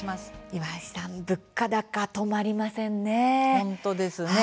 今井さん物価高、止まりませんね。